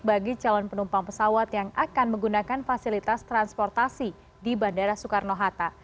bagi calon penumpang pesawat yang akan menggunakan fasilitas transportasi di bandara soekarno hatta